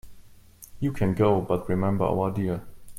You can go, but remember our deal.